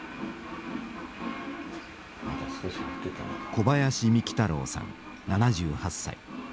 小林三樹太郎さん７８歳。